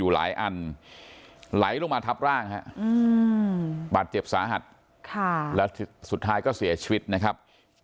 หลายอันไหลลงมาทับร่างบาดเจ็บสาหัสแล้วสุดท้ายก็เสียชีวิตนะครับ